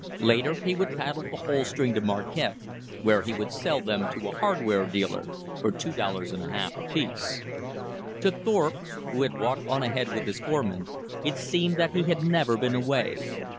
Later he would paddle the whole string to Marquette, where he would sell them to a hardware dealer for two dollars and a half apiece. To Thorpe, who had walked on ahead with his foreman, it seemed that he had never been away.